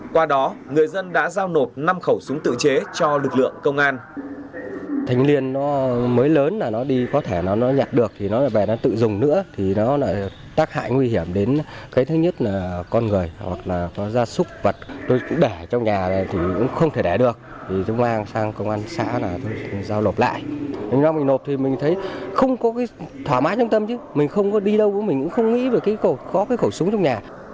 qua đó người dân đã giao nộp năm khẩu súng tự chế cho lực lượng công an